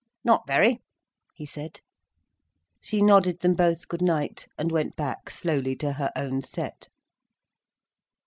"Not very," he said. She nodded them both "Good night', and went back slowly to her own set.